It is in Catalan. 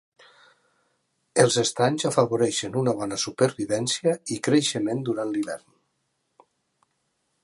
Els estanys afavoreixen una bona supervivència i creixement durant l'hivern.